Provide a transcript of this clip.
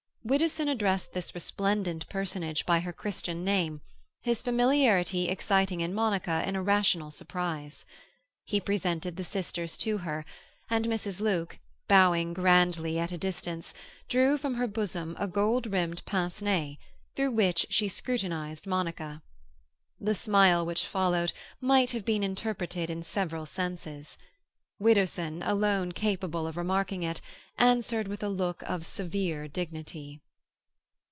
Widdowson addressed this resplendent personage by her Christian name, his familiarity exciting in Monica an irrational surprise. He presented the sisters to her, and Mrs. Luke, bowing grandly at a distance, drew from her bosom a gold rimmed pince nez, through which she scrutinized Monica. The smile which followed might have been interpreted in several senses; Widdowson, alone capable of remarking it, answered with a look of severe dignity.